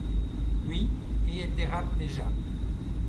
Oui, et elle dérape déjà.